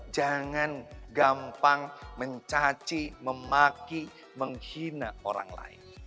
jangan gampang mencaci memaki menghina orang lain